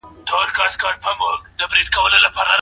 که مصنوعي ټوکر واغوندل شي، خوله زیاته پاتې کېږي.